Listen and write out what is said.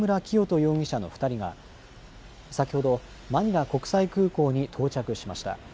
容疑者の２人が先ほどマニラ国際空港に到着しました。